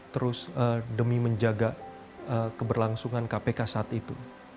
terus demi menjaga keberlangsungan kpk saat itu